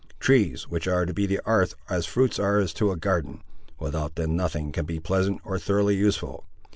Trees, which are to the 'arth, as fruits are to a garden; without them nothing can be pleasant, or thoroughly useful.